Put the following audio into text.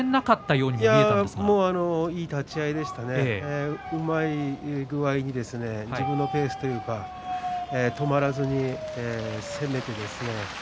いや、もういい立ち合いでしたね自分のペースというか止まらずに攻めてですね